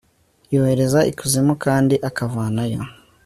yohereza ikuzimu kandi akavanayo